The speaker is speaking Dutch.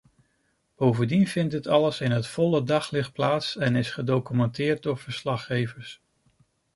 Bovendien vindt dit alles in het volle daglicht plaats en is gedocumenteerd door verslaggevers.